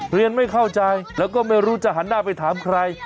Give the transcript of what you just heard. เรียนไม่เข้าใจแล้วก็ไม่รู้จะหันหน้าไปถามใคร